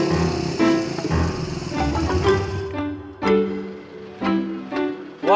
waduh eh ngapain nyengerin yang respion gua